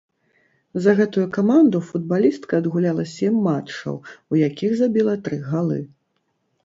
За гэтую каманду футбалістка адгуляла сем матчаў, у якіх забіла тры галы.